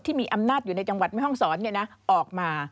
ที่มีอำนาจอยู่ในจังหวัดไม่ห้องสอนนี่นะออกมา